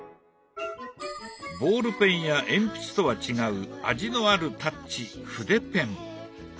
ボールペンや鉛筆とは違う味のあるタッチ筆ペン。